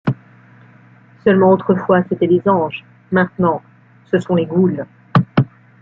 Seulement autrefois c’étaient les anges ; maintenant ce sont les goules.